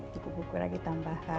buku buku lagi tambahan